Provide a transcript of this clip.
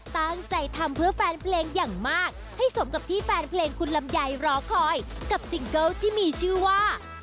ตั้งใจทำเพื่อแฟนเพลงอย่างมากให้สมกับที่แฟนเพลงคุณลำไยรอคอยกับซิงเกิลที่มีชื่อว่า